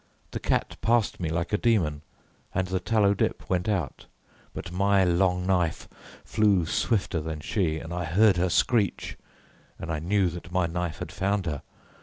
The cat passed me like a demon, and the tallow dip went out, but my long knife flew swifter than she, and I heard her screech, and I knew that my knife had found her.